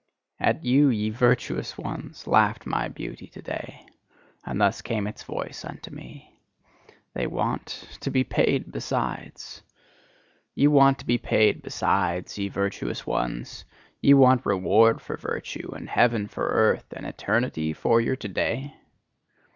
At you, ye virtuous ones, laughed my beauty to day. And thus came its voice unto me: "They want to be paid besides!" Ye want to be paid besides, ye virtuous ones! Ye want reward for virtue, and heaven for earth, and eternity for your to day?